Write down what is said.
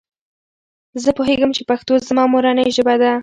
زه پوهیږم چې پښتو زما مورنۍ ژبه ده.